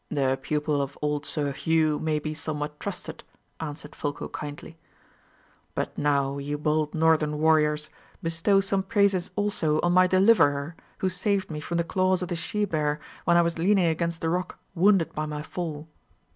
"The pupil of old Sir Hugh may be somewhat trusted," answered Folko kindly. "But now, you bold northern warriors, bestow some praises also on my deliverer, who saved me from the claws of the she bear, when I was leaning against the rock wounded by my fall."